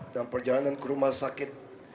dan perjalanan ke rumah sakit